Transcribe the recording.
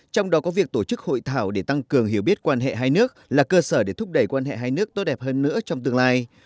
trong đó có việc tổ chức hội thảo để tăng cường hiểu biết quan hệ hai nước là cơ sở để thúc đẩy quan hệ hai nước tốt đẹp hơn nữa trong tương lai